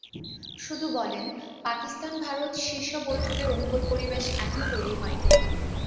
শুধু বলেন, পাকিস্তান ভারত শীর্ষ বৈঠকের অনুকূল পরিবেশ এখনো তৈরি হয়নি।